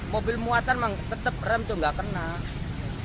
mobil muatan tetap rem tuh nggak kena